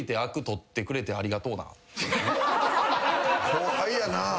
後輩やな。